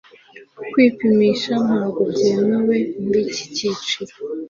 Kwipimisha ntabwo byemewe muriki cyiciro